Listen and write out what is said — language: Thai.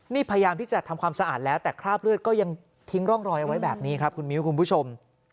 นี่พยายามที่จะทำความสะอาดแล้วแต่คราบเลือดก็ยังทิ้งร่องรอยเอาไว้แบบนี้ครับคุณมิ้วคุณผู้ชม